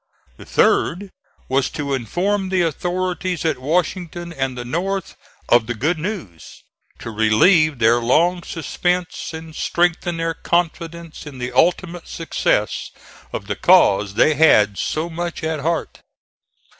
The third was to inform the authorities at Washington and the North of the good news, to relieve their long suspense and strengthen their confidence in the ultimate success of the cause they had so much at heart.